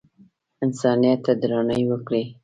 انسانیت ته درناوی وکړئ